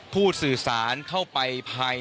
ผู้สื่อสารเข้าไปภาย